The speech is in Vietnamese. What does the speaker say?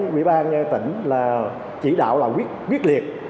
quỹ ban tỉnh chỉ đạo quyết liệt